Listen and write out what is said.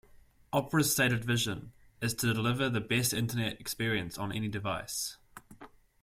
Opera's stated vision is to deliver the best Internet experience on any device.